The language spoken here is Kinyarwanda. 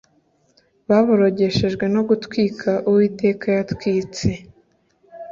baborogeshwe no gutwika Uwiteka yatwitse